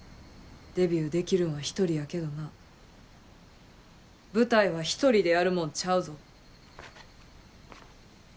デビューできるんは１人やけどな舞台は１人でやるもんちゃうぞ。